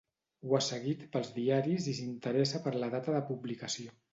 Ho ha seguit pels diaris i s'interessa per la data de publicació.